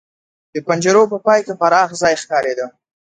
د پنجرو په پای کې پراخ ځای ښکارېده.